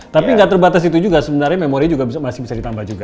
tapi gak terbatas itu juga sebenarnya memori juga masih bisa ditambahin